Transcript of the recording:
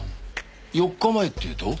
４日前っていうと？